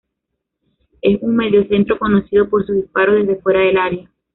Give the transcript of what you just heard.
Es un mediocentro conocido por sus disparos desde fuera del área.